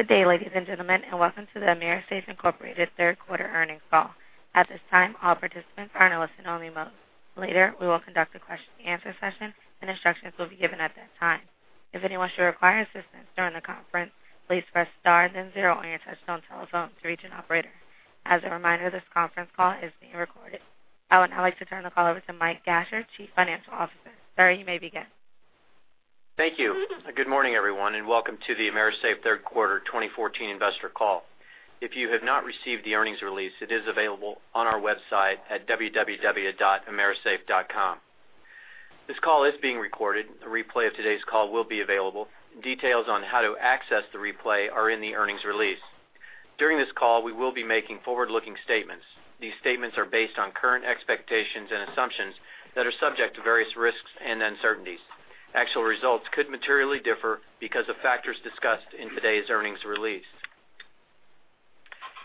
Good day, ladies and gentlemen, and welcome to the AMERISAFE Incorporated third quarter earnings call. At this time, all participants are in a listen-only mode. Later, we will conduct a question and answer session, and instructions will be given at that time. If anyone should require assistance during the conference, please press star then zero on your touch-tone telephone to reach an operator. As a reminder, this conference call is being recorded. I would now like to turn the call over to Mike Grasher, Chief Financial Officer. Sir, you may begin. Thank you. Good morning, everyone, and welcome to the AMERISAFE Third Quarter 2014 Investor Call. If you have not received the earnings release, it is available on our website at www.amerisafe.com. This call is being recorded. A replay of today's call will be available. Details on how to access the replay are in the earnings release. During this call, we will be making forward-looking statements. These statements are based on current expectations and assumptions that are subject to various risks and uncertainties. Actual results could materially differ because of factors discussed in today's earnings release,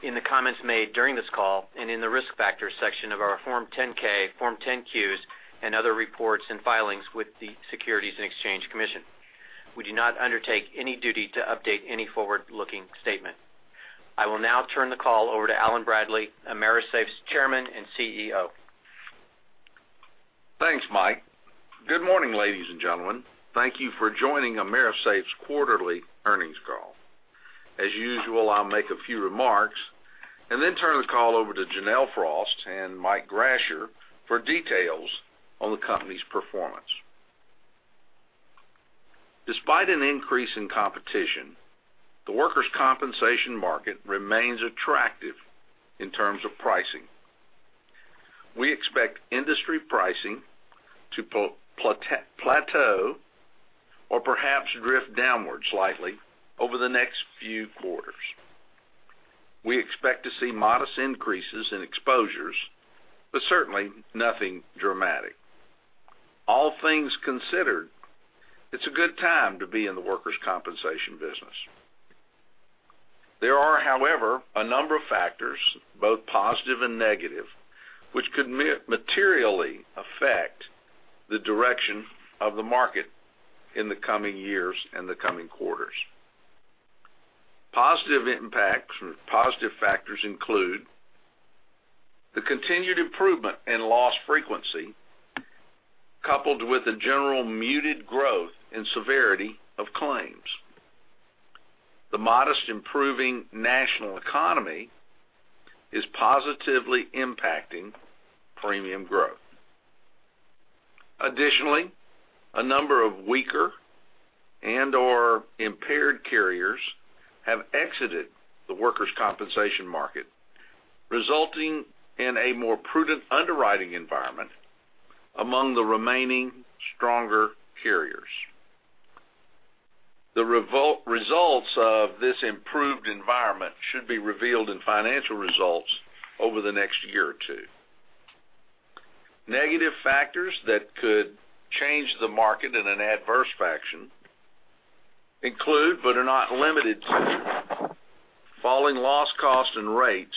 in the comments made during this call, and in the Risk Factors section of our Form 10-K, Form 10-Qs, and other reports and filings with the Securities and Exchange Commission. We do not undertake any duty to update any forward-looking statement. I will now turn the call over to Allen Bradley, AMERISAFE's Chairman and CEO. Thanks, Mike. Good morning, ladies and gentlemen. Thank you for joining AMERISAFE's quarterly earnings call. As usual, I'll make a few remarks and then turn the call over to Janelle Frost and Mike Grasher for details on the company's performance. Despite an increase in competition, the workers' compensation market remains attractive in terms of pricing. We expect industry pricing to plateau or perhaps drift downwards slightly over the next few quarters. We expect to see modest increases in exposures, but certainly nothing dramatic. All things considered, it's a good time to be in the workers' compensation business. There are, however, a number of factors, both positive and negative, which could materially affect the direction of the market in the coming years and the coming quarters. Positive factors include the continued improvement in loss frequency, coupled with a general muted growth in severity of claims. The modest improving national economy is positively impacting premium growth. Additionally, a number of weaker and/or impaired carriers have exited the workers' compensation market, resulting in a more prudent underwriting environment among the remaining stronger carriers. The results of this improved environment should be revealed in financial results over the next year or two. Negative factors that could change the market in an adverse fashion include, but are not limited to, falling loss costs and rates,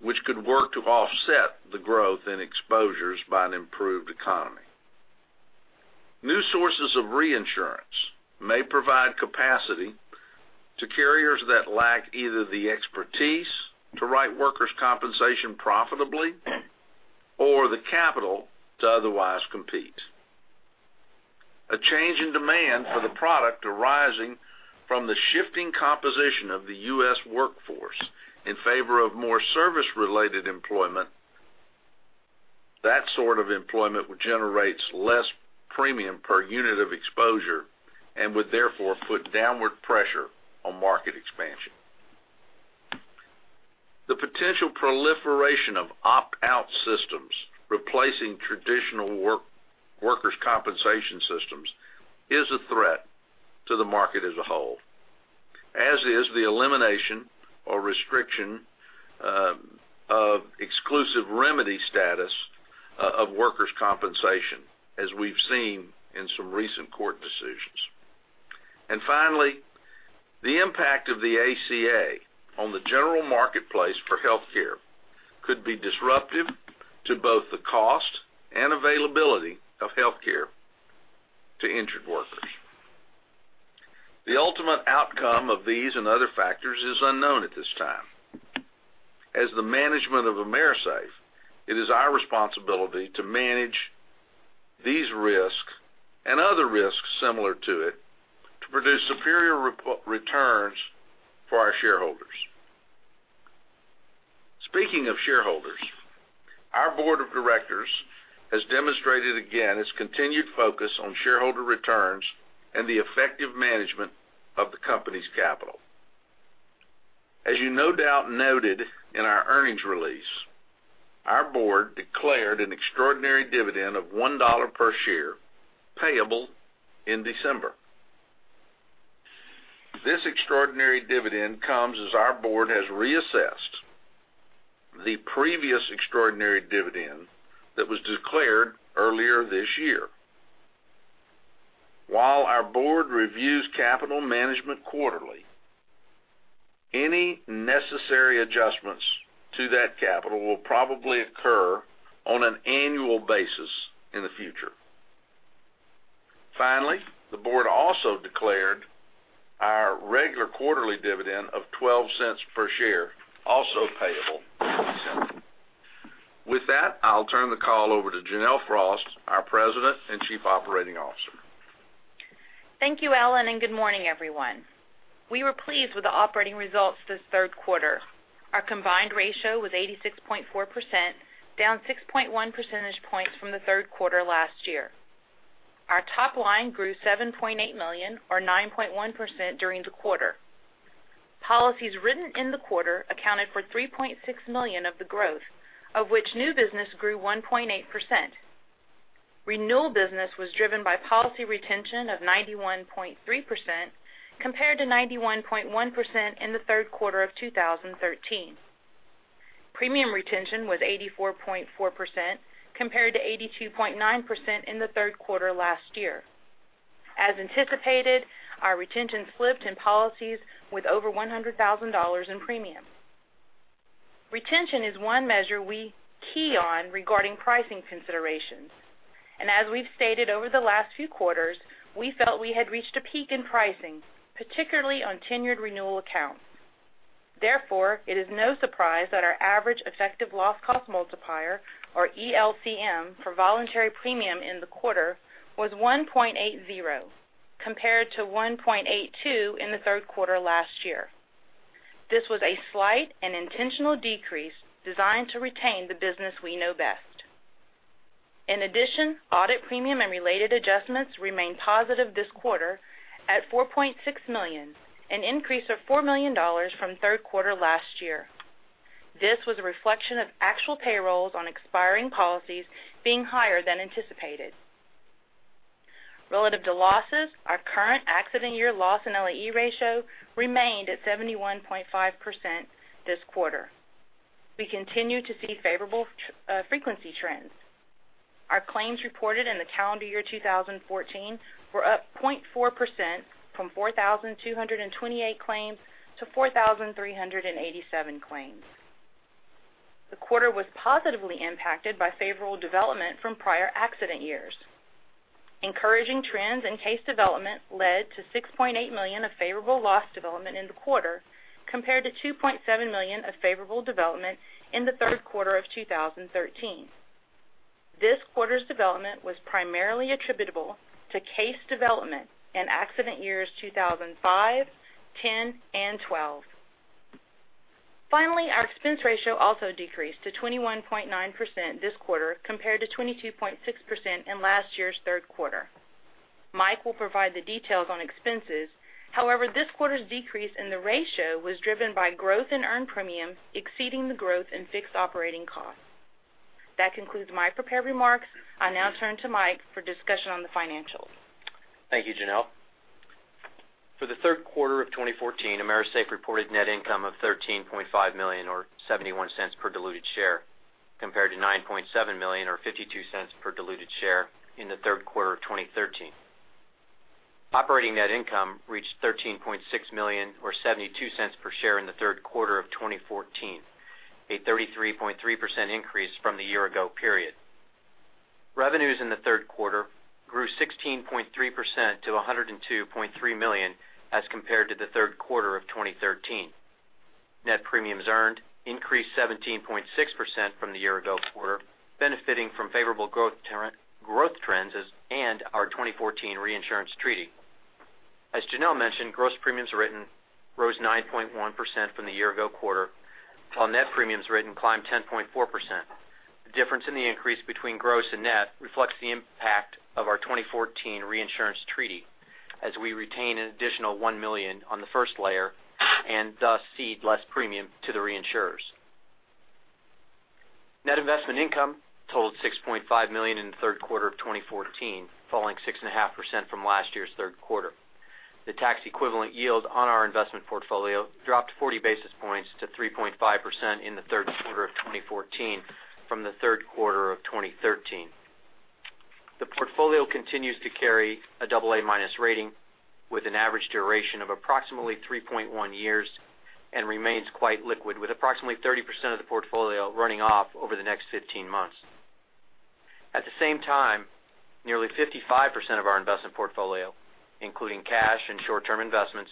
which could work to offset the growth in exposures by an improved economy. New sources of reinsurance may provide capacity to carriers that lack either the expertise to write workers' compensation profitably or the capital to otherwise compete. A change in demand for the product arising from the shifting composition of the U.S. workforce in favor of more service-related employment. That sort of employment generates less premium per unit of exposure and would therefore put downward pressure on market expansion. The potential proliferation of opt-out systems replacing traditional workers' compensation systems is a threat to the market as a whole, as is the elimination or restriction of exclusive remedy status of workers' compensation, as we've seen in some recent court decisions. Finally, the impact of the ACA on the general marketplace for healthcare could be disruptive to both the cost and availability of healthcare to injured workers. The ultimate outcome of these and other factors is unknown at this time. As the management of AMERISAFE, it is our responsibility to manage these risks and other risks similar to it to produce superior returns for our shareholders. Speaking of shareholders, our board of directors has demonstrated again its continued focus on shareholder returns and the effective management of the company's capital. As you no doubt noted in our earnings release, our board declared an extraordinary dividend of $1 per share payable in December. This extraordinary dividend comes as our board has reassessed the previous extraordinary dividend that was declared earlier this year. While our board reviews capital management quarterly, any necessary adjustments to that capital will probably occur on an annual basis in the future. Finally, the board also declared our regular quarterly dividend of $0.12 per share, also payable December. With that, I'll turn the call over to Janelle Frost, our President and Chief Operating Officer. Thank you, Allen, good morning, everyone. We were pleased with the operating results this third quarter. Our combined ratio was 86.4%, down 6.1 percentage points from the third quarter last year. Our top line grew $7.8 million, or 9.1% during the quarter. Policies written in the quarter accounted for $3.6 million of the growth, of which new business grew 1.8%. Renewal business was driven by policy retention of 91.3%, compared to 91.1% in the third quarter of 2013. Premium retention was 84.4%, compared to 82.9% in the third quarter last year. As anticipated, our retention slipped in policies with over $100,000 in premiums. Retention is one measure we key on regarding pricing considerations, and as we've stated over the last few quarters, we felt we had reached a peak in pricing, particularly on tenured renewal accounts. It is no surprise that our average effective loss cost multiplier, or ELCM, for voluntary premium in the quarter was 1.80, compared to 1.82 in the third quarter last year. This was a slight and intentional decrease designed to retain the business we know best. In addition, audit premium and related adjustments remained positive this quarter at $4.6 million, an increase of $4 million from third quarter last year. This was a reflection of actual payrolls on expiring policies being higher than anticipated. Relative to losses, our current accident year loss and LAE ratio remained at 71.5% this quarter. We continue to see favorable frequency trends. Our claims reported in the calendar year 2014 were up 0.4%, from 4,228 claims to 4,387 claims. The quarter was positively impacted by favorable development from prior accident years. Encouraging trends in case development led to $6.8 million of favorable loss development in the quarter, compared to $2.7 million of favorable development in the third quarter of 2013. This quarter's development was primarily attributable to case development in accident years 2005, 2010, and 2012. Finally, our expense ratio also decreased to 21.9% this quarter, compared to 22.6% in last year's third quarter. Mike will provide the details on expenses. This quarter's decrease in the ratio was driven by growth in earned premium exceeding the growth in fixed operating costs. That concludes my prepared remarks. I now turn to Mike for discussion on the financials. Thank you, Janelle. For the third quarter of 2014, AMERISAFE reported net income of $13.5 million, or $0.71 per diluted share, compared to $9.7 million or $0.52 per diluted share in the third quarter of 2013. Operating net income reached $13.6 million or $0.72 per share in the third quarter of 2014, a 33.3% increase from the year ago period. Revenues in the third quarter grew 16.3% to $102.3 million as compared to the third quarter of 2013. Net premiums earned increased 17.6% from the year ago quarter, benefiting from favorable growth trends and our 2014 reinsurance treaty. As Janelle mentioned, gross premiums written rose 9.1% from the year ago quarter, while net premiums written climbed 10.4%. The difference in the increase between gross and net reflects the impact of our 2014 reinsurance treaty as we retain an additional $1 million on the first layer and thus cede less premium to the reinsurers. Net investment income totaled $6.5 million in the third quarter of 2014, falling 6.5% from last year's third quarter. The tax equivalent yield on our investment portfolio dropped 40 basis points to 3.5% in the third quarter of 2014 from the third quarter of 2013. The portfolio continues to carry a double A minus rating with an average duration of approximately 3.1 years and remains quite liquid, with approximately 30% of the portfolio running off over the next 15 months. At the same time, nearly 55% of our investment portfolio, including cash and short-term investments,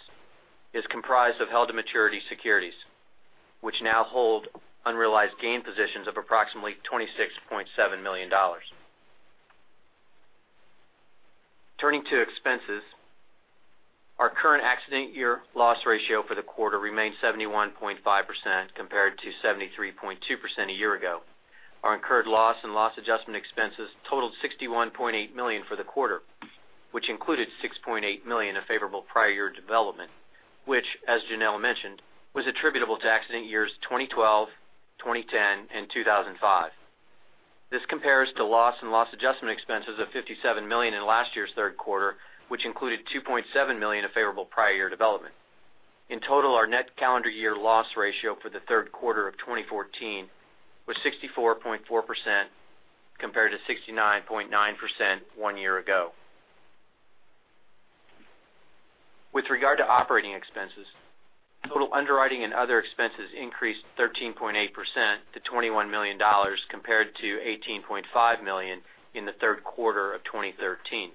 is comprised of held-to-maturity securities, which now hold unrealized gain positions of approximately $26.7 million. Turning to expenses, our current accident year loss ratio for the quarter remained 71.5% compared to 73.2% a year ago. Our incurred loss and loss adjustment expenses totaled $61.8 million for the quarter, which included $6.8 million of favorable prior year development, which, as Janelle mentioned, was attributable to accident years 2012, 2010, and 2005. This compares to loss and loss adjustment expenses of $57 million in last year's third quarter, which included $2.7 million of favorable prior year development. In total, our net calendar year loss ratio for the third quarter of 2014 was 64.4% compared to 69.9% one year ago. With regard to operating expenses, total underwriting and other expenses increased 13.8% to $21 million compared to $18.5 million in the third quarter of 2013.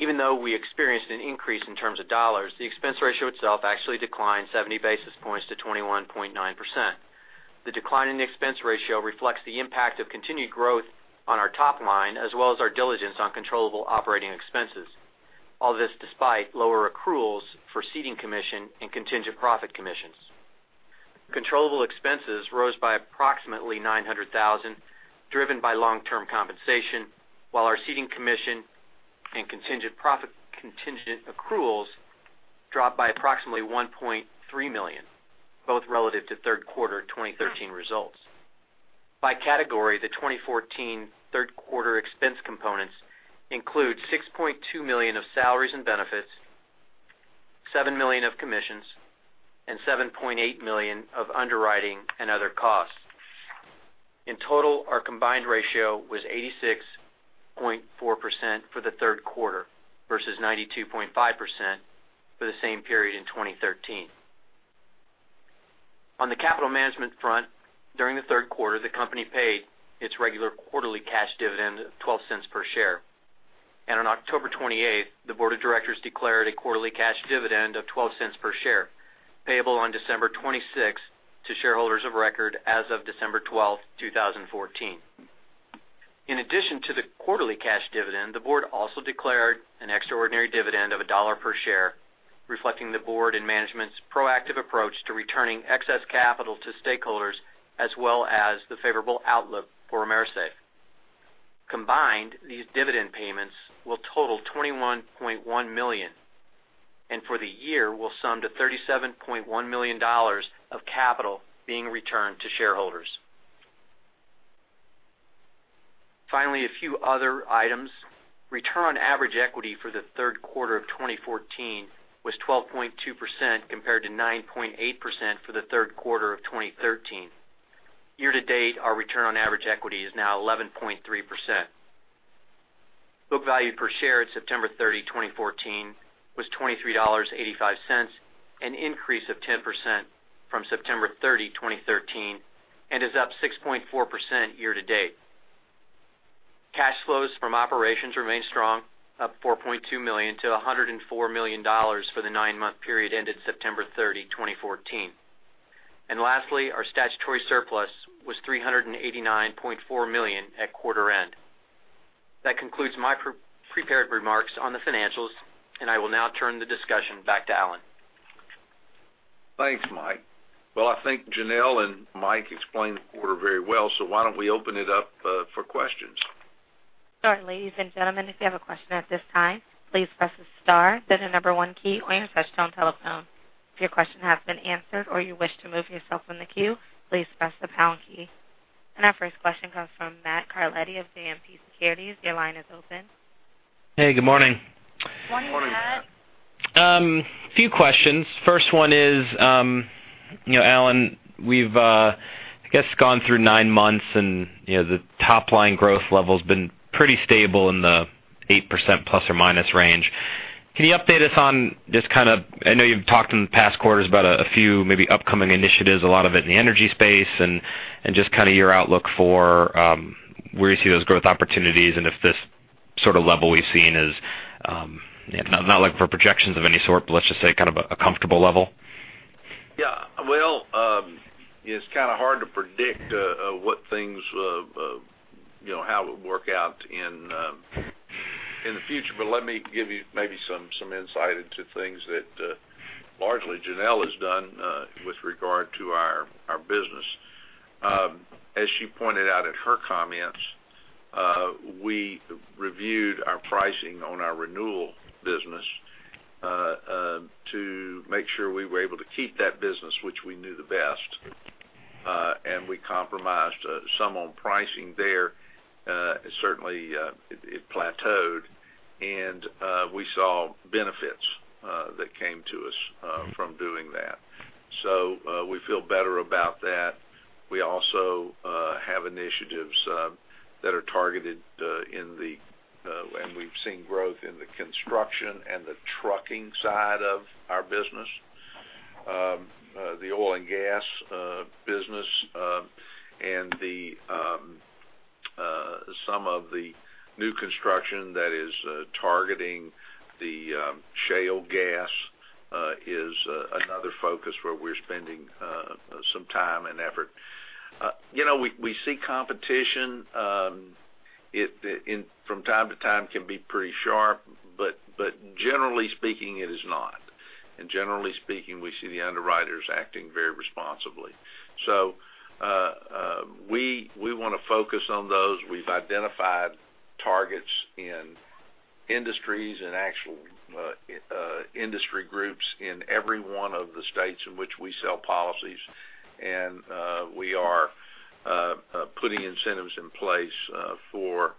Even though we experienced an increase in terms of dollars, the expense ratio itself actually declined 70 basis points to 21.9%. The decline in the expense ratio reflects the impact of continued growth on our top line, as well as our diligence on controllable operating expenses. All this despite lower accruals for ceding commission and contingent profit commissions. Controllable expenses rose by approximately $900,000, driven by long-term compensation, while our ceding commission and contingent profit contingent accruals dropped by approximately $1.3 million, both relative to third quarter 2013 results. By category, the 2014 third quarter expense components include $6.2 million of salaries and benefits, $7 million of commissions, and $7.8 million of underwriting and other costs. In total, our combined ratio was 86.4% for the third quarter versus 92.5% for the same period in 2013. On the capital management front, during the third quarter, the company paid its regular quarterly cash dividend of $0.12 per share. On October 28th, the board of directors declared a quarterly cash dividend of $0.12 per share, payable on December 26th to shareholders of record as of December 12th, 2014. In addition to the quarterly cash dividend, the board also declared an extraordinary dividend of $1 per share, reflecting the board and management's proactive approach to returning excess capital to stakeholders, as well as the favorable outlook for AMERISAFE. Combined, these dividend payments will total $21.1 million, and for the year will sum to $37.1 million of capital being returned to shareholders. Finally, a few other items. Return on average equity for the third quarter of 2014 was 12.2% compared to 9.8% for the third quarter of 2013. Year to date, our return on average equity is now 11.3%. Book value per share at September 30, 2014, was $23.85, an increase of 10% from September 30, 2013, and is up 6.4% year to date. Cash flows from operations remain strong, up $4.2 million to $104 million for the nine-month period ended September 30, 2014. Lastly, our statutory surplus was $389.4 million at quarter end. That concludes my prepared remarks on the financials, and I will now turn the discussion back to Allen. Thanks, Michael. Well, I think Janelle and Michael explained the quarter very well, so why don't we open it up for questions? Sure. Ladies and gentlemen, if you have a question at this time, please press the star, then the number 1 key on your touchtone telephone. If your question has been answered or you wish to move yourself from the queue, please press the pound key. Our first question comes from Matthew Carletti of JMP Securities. Your line is open. Hey, good morning. Morning, Matt. Morning. A few questions. First one is, Allen, we've I guess gone through nine months and the top line growth level's been pretty stable in the 8% ± range. Can you update us on just kind of, I know you've talked in the past quarters about a few maybe upcoming initiatives, a lot of it in the energy space and just kind of your outlook for where you see those growth opportunities and if this sort of level we've seen is, not looking for projections of any sort, but let's just say kind of a comfortable level? Yeah. Well, it's kind of hard to predict how it would work out in the future. Let me give you maybe some insight into things that largely Janelle has done with regard to our business. As she pointed out in her comments, we reviewed our pricing on our renewal business to make sure we were able to keep that business which we knew the best. We compromised some on pricing there. Certainly, it plateaued, and we saw benefits that came to us from doing that. We feel better about that. We also have initiatives that are targeted, and we've seen growth in the construction and the trucking side of our business. The oil and gas business and some of the new construction that is targeting the shale gas is another focus where we're spending some time and effort. We see competition. From time to time can be pretty sharp, but generally speaking, it is not. Generally speaking, we see the underwriters acting very responsibly. We want to focus on those. We've identified targets in industries and actual industry groups in every one of the states in which we sell policies. We are putting incentives in place for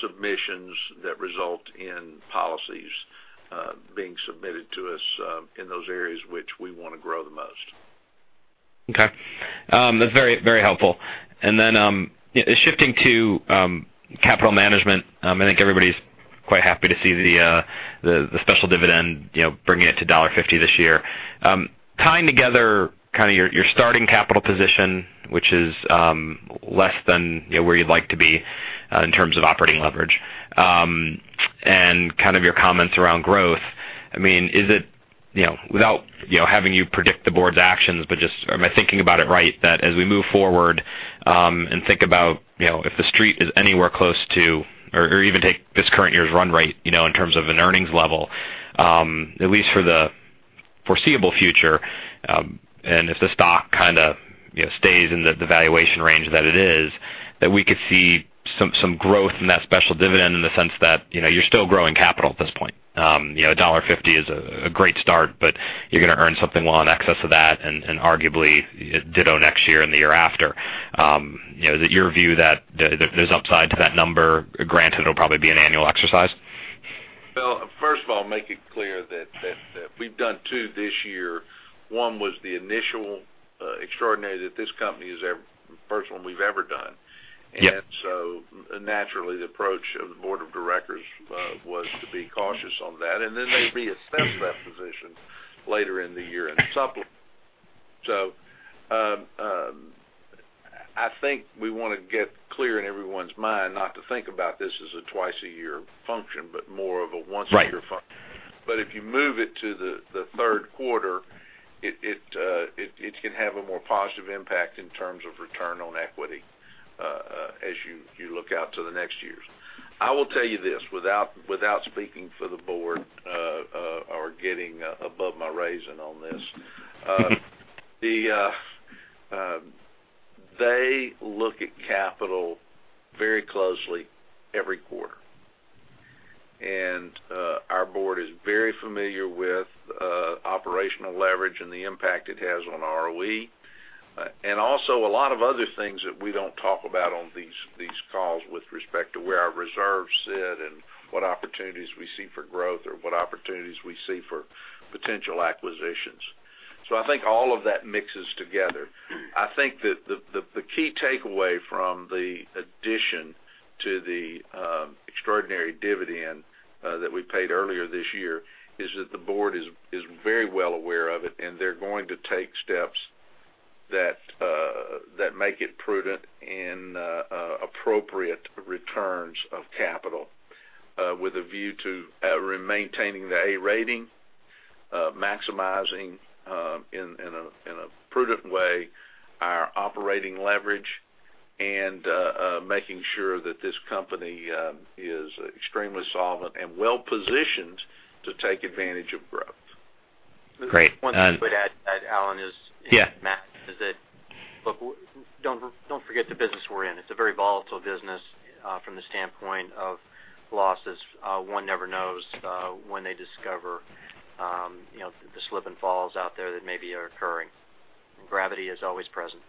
submissions that result in policies being submitted to us in those areas which we want to grow the most. Okay. That's very helpful. Shifting to capital management, I think everybody's quite happy to see the special dividend, bringing it to $1.50 this year. Tying together your starting capital position, which is less than where you'd like to be in terms of operating leverage, and your comments around growth. Is it, without having you predict the board's actions, but am I thinking about it right, that as we move forward, and think about if the street is anywhere close to, or even take this current year's run rate in terms of an earnings level at least for the foreseeable future, and if the stock stays in the valuation range that it is, that we could see some growth in that special dividend in the sense that you're still growing capital at this point. $1.50 is a great start. You're going to earn something well in excess of that and arguably ditto next year and the year after. Is it your view that there's upside to that number, granted it'll probably be an annual exercise? Well, first of all, make it clear that we've done two this year. One was the initial extraordinary that this company is the first one we've ever done. Yep. Naturally, the approach of the board of directors was to be cautious on that. They reassessed that position later in the year in the supplement. I think we want to get clear in everyone's mind not to think about this as a twice-a-year function, but more of a once-a-year function. Right. If you move it to the third quarter, it can have a more positive impact in terms of return on equity as you look out to the next years. I will tell you this, without speaking for the board or getting above my raising on this. They look at capital very closely every quarter. Our board is very familiar with operational leverage and the impact it has on ROE. Also a lot of other things that we don't talk about on these calls with respect to where our reserves sit and what opportunities we see for growth or what opportunities we see for potential acquisitions. I think all of that mixes together. I think that the key takeaway from the addition to the extraordinary dividend that we paid earlier this year is that the board is very well aware of it, and they're going to take steps that make it prudent and appropriate returns of capital with a view to maintaining the A rating, maximizing in a prudent way our operating leverage, and making sure that this company is extremely solvent and well-positioned to take advantage of growth. Great. One thing I would add to that, Allen. Yeah Matt, is that, look, don't forget the business we're in. It's a very volatile business from the standpoint of losses. One never knows when they discover the slip and falls out there that maybe are occurring. Gravity is always present.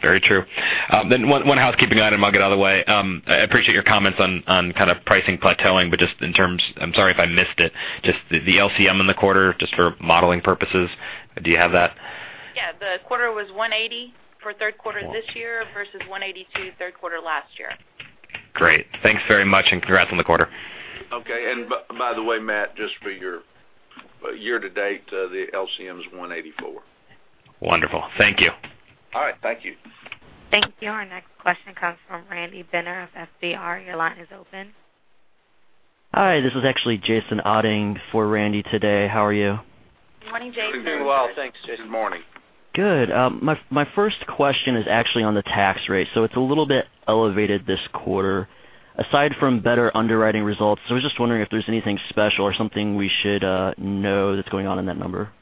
Very true. One housekeeping item and I'll get out of the way. I appreciate your comments on pricing plateauing, just in terms, I'm sorry if I missed it, just the LCM in the quarter, just for modeling purposes. Do you have that? Yeah. The quarter was 180 for third quarter this year versus 182 third quarter last year. Great. Thanks very much, congrats on the quarter. Okay. By the way, Matt, just for your year to date, the LCM is 184. Wonderful. Thank you. All right. Thank you. Thank you. Our next question comes from Randy Binner of FBR. Your line is open. Hi, this is actually Jason Oetting for Randy today. How are you? Good morning, Jason. Doing well, thanks, Jason. Good morning. Good. My first question is actually on the tax rate. It's a little bit elevated this quarter. Aside from better underwriting results, I was just wondering if there's anything special or something we should know that's going on in that number?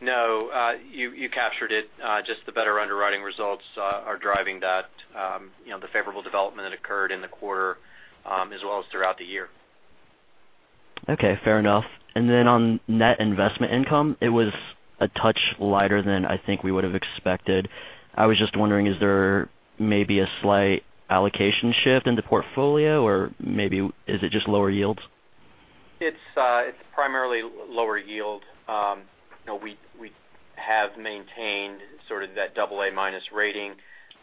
No. You captured it. Just the better underwriting results are driving that. The favorable development that occurred in the quarter, as well as throughout the year. Okay, fair enough. On net investment income, it was a touch lighter than I think we would've expected. I was just wondering, is there maybe a slight allocation shift in the portfolio, or maybe is it just lower yields? It's primarily lower yield. We have maintained sort of that AA- rating.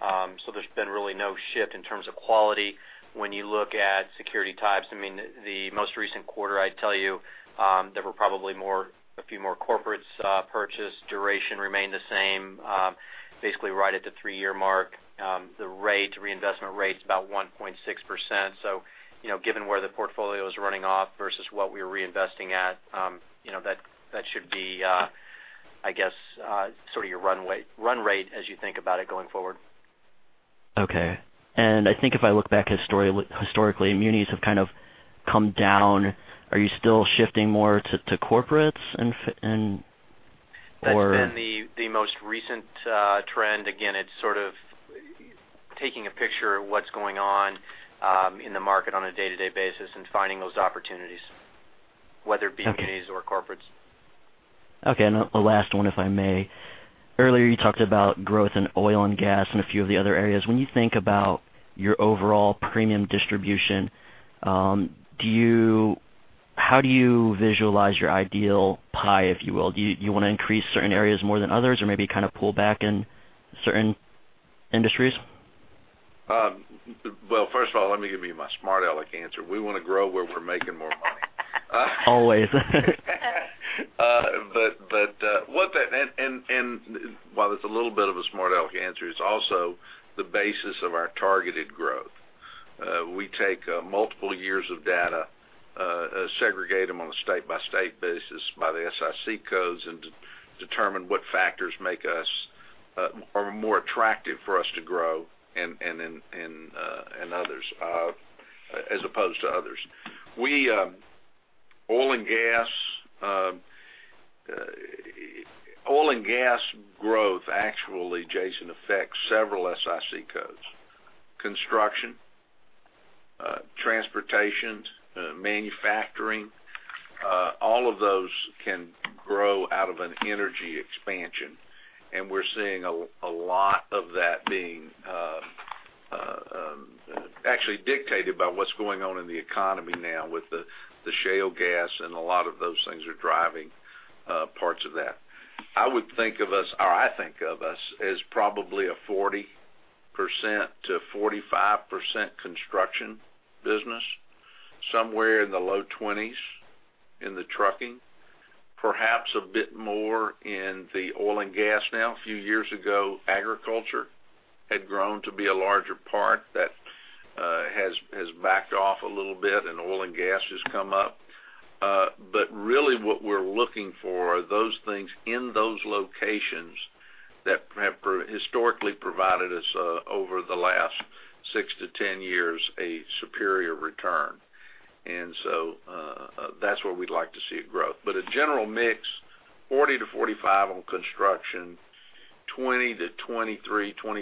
There's been really no shift in terms of quality when you look at security types. The most recent quarter, I'd tell you, there were probably a few more corporates purchased, duration remained the same, basically right at the three-year mark. The reinvestment rate's about 1.6%. Given where the portfolio is running off versus what we're reinvesting at, that should be your run rate as you think about it going forward. Okay. I think if I look back historically, munis have kind of come down. Are you still shifting more to corporates or- That's been the most recent trend. Again, it's sort of taking a picture of what's going on in the market on a day-to-day basis and finding those opportunities, whether it be munis or corporates. Okay. A last one, if I may. Earlier you talked about growth in oil and gas and a few of the other areas. When you think about your overall premium distribution, how do you visualize your ideal pie, if you will? Do you want to increase certain areas more than others or maybe kind of pull back in certain industries? Well, first of all, let me give you my smart aleck answer. We want to grow where we're making more money. Always. While it's a little bit of a smart aleck answer, it's also the basis of our targeted growth. We take multiple years of data, segregate them on a state-by-state basis by the SIC codes, and determine what factors are more attractive for us to grow as opposed to others. Oil and gas growth actually, Jason, affects several SIC codes. Construction, transportation, manufacturing, all of those can grow out of an energy expansion. We're seeing a lot of that being actually dictated by what's going on in the economy now with the shale gas and a lot of those things are driving parts of that. I think of us as probably a 40%-45% construction business, somewhere in the low 20s in the trucking, perhaps a bit more in the oil and gas now. A few years ago, agriculture had grown to be a larger part that has backed off a little bit, and oil and gas has come up. Really what we're looking for are those things in those locations that have historically provided us, over the last 6 to 10 years, a superior return. That's where we'd like to see it grow. A general mix, 40-45 on construction, 20%-23%, 24%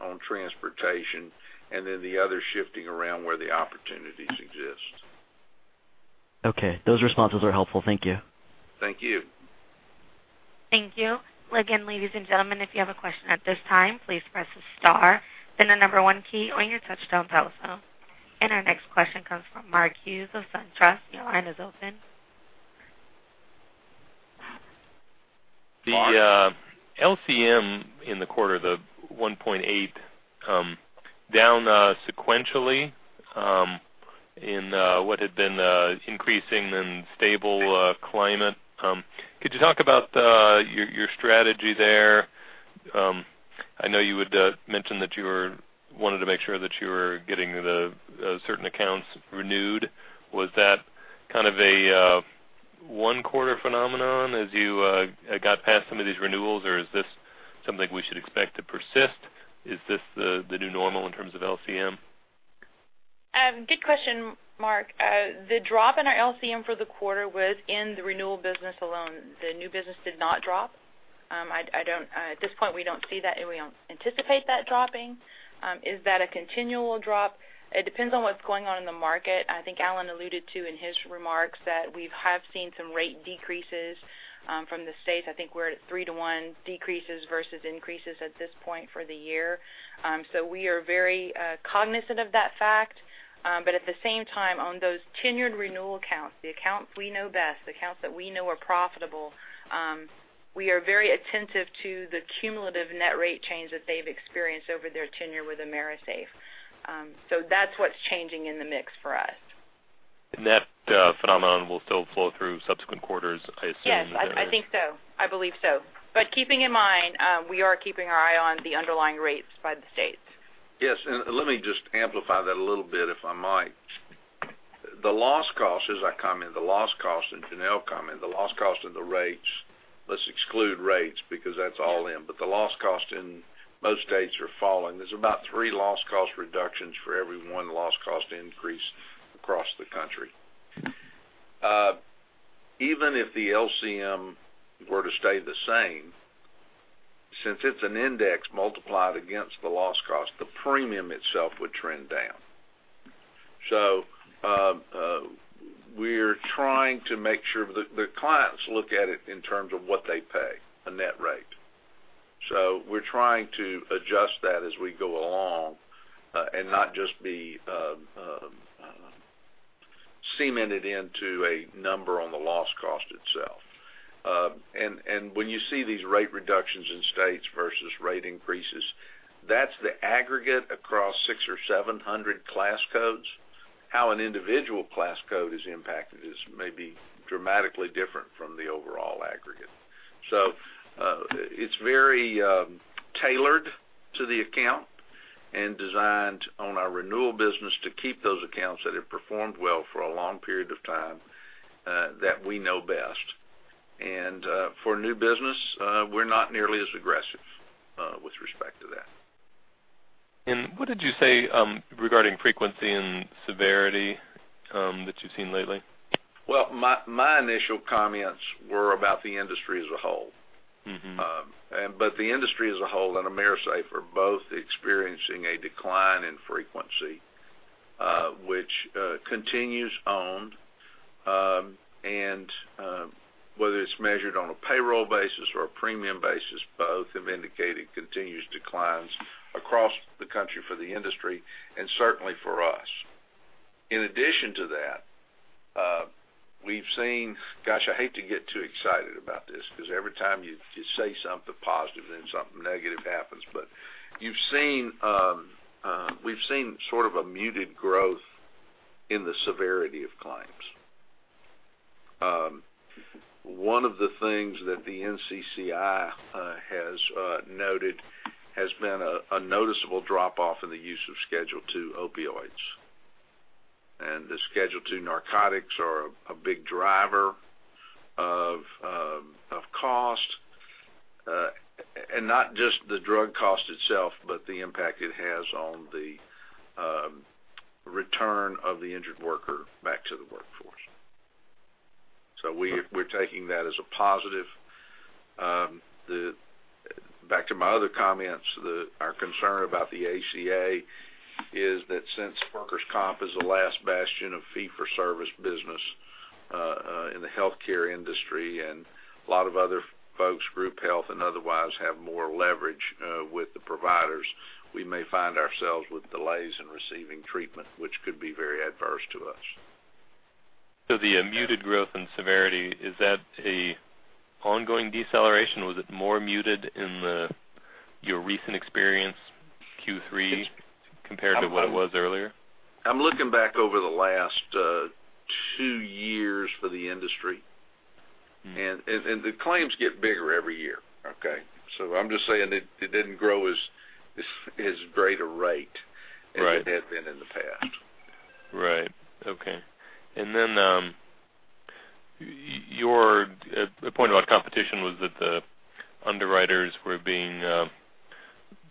on transportation, and then the other shifting around where the opportunities exist. Okay. Those responses are helpful. Thank you. Thank you. Thank you. Again, ladies and gentlemen, if you have a question at this time, please press the star then the number 1 key on your touchtone telephone. Our next question comes from Mark Hughes of SunTrust. Your line is open. The LCM in the quarter, the 1.8 down sequentially, in what had been increasing and stable climate. Could you talk about your strategy there? I know you had mentioned that you were wanting to make sure that you were getting certain accounts renewed. Was that kind of a one-quarter phenomenon as you got past some of these renewals, or is this something we should expect to persist? Is this the new normal in terms of LCM? Good question, Mark. The drop in our LCM for the quarter was in the renewal business alone. The new business did not drop. At this point, we don't see that, and we don't anticipate that dropping. Is that a continual drop? It depends on what's going on in the market. I think Allen alluded to in his remarks that we have seen some rate decreases from the states. I think we're at 3 to 1 decreases versus increases at this point for the year. We are very cognizant of that fact. At the same time, on those tenured renewal accounts, the accounts we know best, the accounts that we know are profitable, we are very attentive to the cumulative net rate change that they've experienced over their tenure with AMERISAFE. That's what's changing in the mix for us. That phenomenon will still flow through subsequent quarters, I assume? Yes, I think so. I believe so. Keeping in mind, we are keeping our eye on the underlying rates by the states. Yes, let me just amplify that a little bit, if I might. The loss cost, as I comment, the loss cost, and Janelle commented, the loss cost and the rates, let's exclude rates because that's all in, but the loss cost in most states are falling. There's about three loss cost reductions for every one loss cost increase across the country. Even if the LCM were to stay the same, since it's an index multiplied against the loss cost, the premium itself would trend down. We're trying to make sure the clients look at it in terms of what they pay, the net rate. We're trying to adjust that as we go along, and not just be cemented into a number on the loss cost itself. When you see these rate reductions in states versus rate increases, that's the aggregate across 600 or 700 class codes. How an individual class code is impacted is maybe dramatically different from the overall aggregate. It's very tailored to the account and designed on our renewal business to keep those accounts that have performed well for a long period of time, that we know best. For new business, we're not nearly as aggressive with respect to that. What did you say regarding frequency and severity that you've seen lately? my initial comments were about the industry as a whole. the industry as a whole and AMERISAFE are both experiencing a decline in frequency, which continues on. whether it's measured on a payroll basis or a premium basis, both have indicated continued declines across the country for the industry and certainly for us. In addition to that, Gosh, I hate to get too excited about this because every time you say something positive, then something negative happens. we've seen sort of a muted growth in the severity of claims. One of the things that the NCCI has noted has been a noticeable drop-off in the use of Schedule II opioids. the Schedule II narcotics are a big driver of cost, and not just the drug cost itself, but the impact it has on the return of the injured worker back to the workforce. we're taking that as a positive. Back to my other comments, our concern about the ACA is that since workers' comp is the last bastion of fee-for-service business in the healthcare industry and a lot of other folks, group health and otherwise, have more leverage with the providers, we may find ourselves with delays in receiving treatment, which could be very adverse to us. the muted growth and severity, is that an ongoing deceleration? Was it more muted in your recent experience, Q3, compared to what it was earlier? I'm looking back over the last two years for the industry. The claims get bigger every year. Okay? I'm just saying it didn't grow as great a rate. Right as it had been in the past. Right. Okay. Your point about competition was that the underwriters were being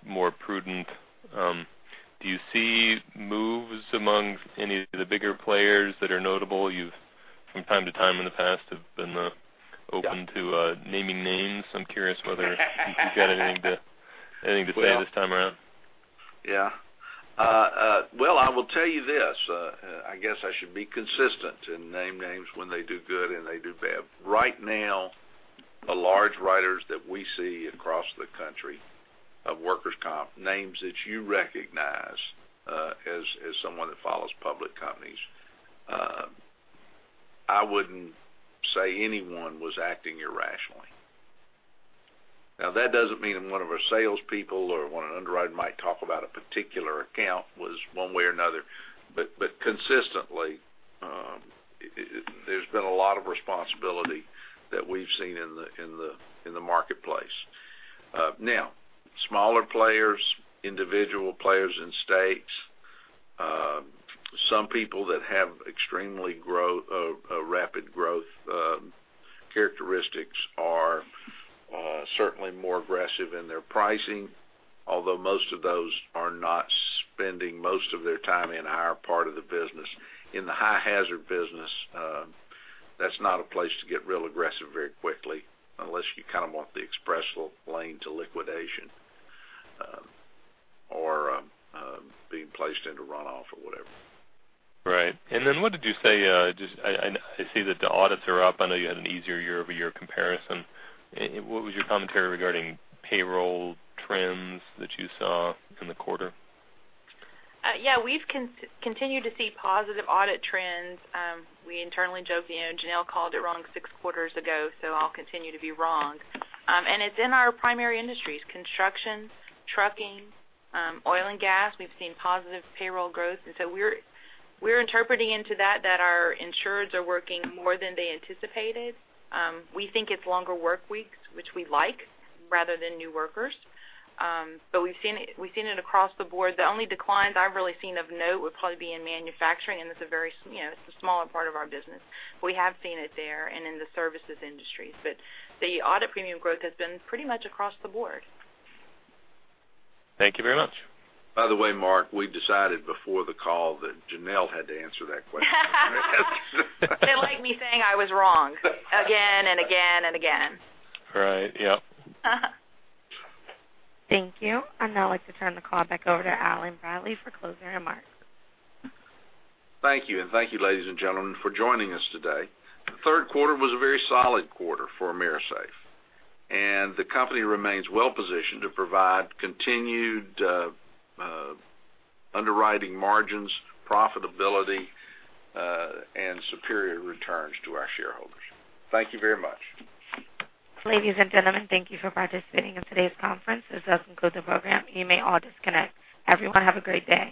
more prudent. Do you see moves among any of the bigger players that are notable? You've, from time to time in the past, have been open to. Yeah naming names. I'm curious whether you've got anything to say this time around. Well, I will tell you this. I guess I should be consistent and name names when they do good and they do bad. The large writers that we see across the country of workers' comp, names that you recognize as someone that follows public companies, I wouldn't say anyone was acting irrationally. That doesn't mean that one of our salespeople or when an underwriter might talk about a particular account was one way or another. Consistently, there's been a lot of responsibility that we've seen in the marketplace. Smaller players, individual players in states, some people that have extremely rapid growth characteristics are certainly more aggressive in their pricing. Although most of those are not spending most of their time in our part of the business. In the high hazard business, that's not a place to get real aggressive very quickly unless you kind of want the express lane to liquidation or being placed into runoff or whatever. Right. What did you say? I see that the audits are up. I know you had an easier year-over-year comparison. What was your commentary regarding payroll trends that you saw in the quarter? Yeah. We've continued to see positive audit trends. We internally joke, Janelle called it wrong six quarters ago, so I'll continue to be wrong. It's in our primary industries, construction, trucking, oil and gas. We've seen positive payroll growth. We're interpreting into that our insureds are working more than they anticipated. We think it's longer work weeks, which we like, rather than new workers. We've seen it across the board. The only declines I've really seen of note would probably be in manufacturing, and it's a smaller part of our business. We have seen it there and in the services industries. The audit premium growth has been pretty much across the board. Thank you very much. By the way, Mark, we decided before the call that Janelle had to answer that question. They like me saying I was wrong again and again and again. Right. Yep. Thank you. I'd now like to turn the call back over to Allen Bradley for closing remarks. Thank you. Thank you, ladies and gentlemen, for joining us today. The third quarter was a very solid quarter for AMERISAFE, and the company remains well-positioned to provide continued underwriting margins, profitability, and superior returns to our shareholders. Thank you very much. Ladies and gentlemen, thank you for participating in today's conference. This does conclude the program. You may all disconnect. Everyone, have a great day.